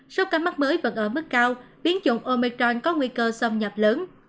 sốc cánh mắt mới vẫn ở mức cao biến chủng omicron có nguy cơ xâm nhập lớn